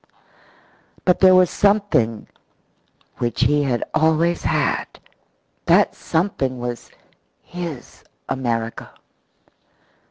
But there was something which he had always had that something was his America.